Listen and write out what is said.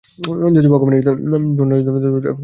যদি ভগবানের জন্য তোকে ছেড়ে দেই, তাহলে আমরা কী করবো?